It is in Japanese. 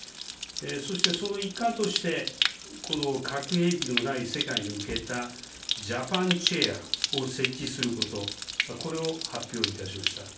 そしてその一環として核兵器のない世界に向けたジャパン・チェアを設置すること、これを発表いたしました。